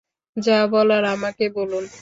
যা বলার আমাকে বলুন।